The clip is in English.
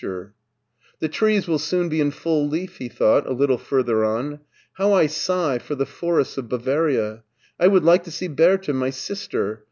BERLIN 215 " The trees will soon be in full leaf," he thought, a little further on. " How I sigh for the forests of Bavaria! I would like to see Bertha, my sister.